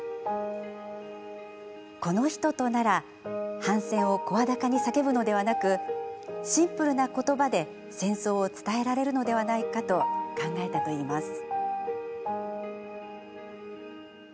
この人となら反戦を声高に叫ぶのではなくシンプルな言葉で戦争を伝えられるのではないかと考えたといいます。